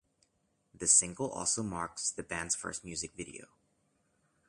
This single also marks the band's first music video.